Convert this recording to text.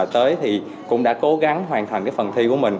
thì cũng đã cố gắng hoàn thành phần thi của mình